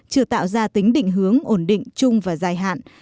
chưa tạo ra tính định hướng ổn định chung và dài hạn